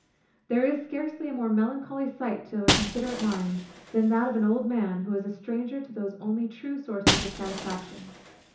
There is scarcely a more melancholy sight to a considerate mind, than that of an old man, who is a stranger to those only true sources of satisfaction.